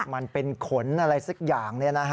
มันเป็นขนอะไรสักอย่างเนี่ยนะฮะ